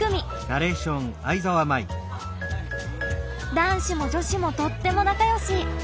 男子も女子もとっても仲良し。